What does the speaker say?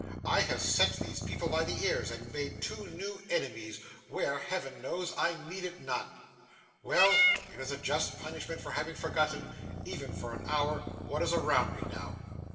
I have set these people by the ears, and made two new enemies, where, Heaven knows, I needed none. Well, it is a just punishment for having forgotten, even for an hour, what is around me now!